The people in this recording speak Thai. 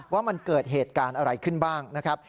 ว่ามันเกิดเหตุการณ์อะไรขึ้นบ้างนะครับ